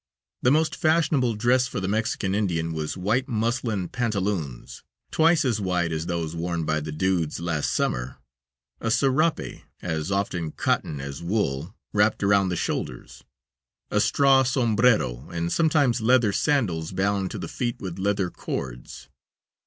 The most fashionable dress for the Mexican Indian was white muslin panteloons, twice as wide as those worn by the dudes last summer; a serape, as often cotton as wool, wrapped around the shoulders; a straw sombrero, and sometimes leather sandals bound to the feet with leather cords.